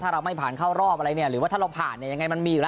ถ้าเราไม่ผ่านเข้ารอบอะไรเนี่ยหรือว่าถ้าเราผ่านเนี่ยยังไงมันมีอยู่แล้ว